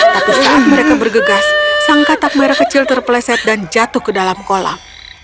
tapi saat mereka bergegas sang katak merah kecil terpleset dan jatuh ke dalam kolam